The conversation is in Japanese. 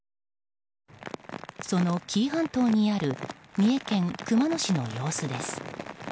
その紀伊半島にある三重県熊野市の様子です。